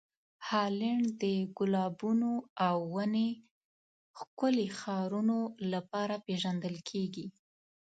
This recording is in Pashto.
هالنډ د ګلابونو او ونې ښکلې ښارونو لپاره پېژندل کیږي.